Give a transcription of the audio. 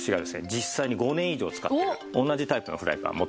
実際に５年以上使ってる同じタイプのフライパン持ってきました。